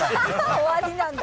終わりなんだ。